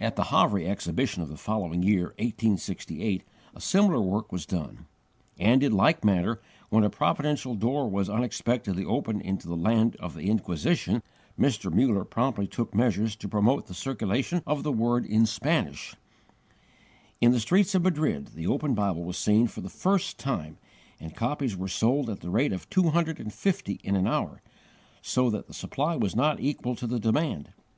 At the Havre Exhibition of the following year, 1868, a similar work was done; and in like manner, when a providential door was unexpectedly opened into the Land of the Inquisition, Mr. Muller promptly took measures to promote the circulation of the Word in Spain. In the streets of Madrid the open Bible was seen for the first time, and copies were sold at the rate of two hundred and fifty in an hour, so that the supply was not equal to the demand.